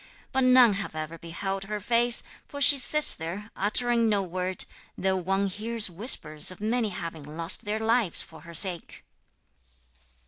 But none have ever beheld her face, for she sits there, uttering no word, though one hears whispers of many having lost their lives for her sake.'